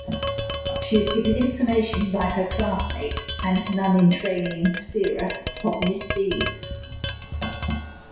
She is given information by her classmate, and nun-in-training, Seira, of misdeeds.